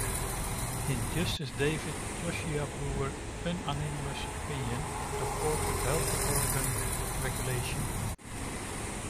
In Justice David Josiah Brewer's unanimous opinion, the Court upheld the Oregon regulation.